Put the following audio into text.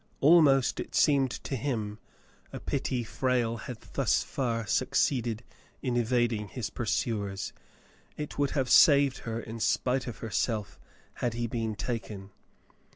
Almost it seemed to him a pity Frale had thus far succeeded in evading his pursuers. It would have saved her in spite of herself had he been taken.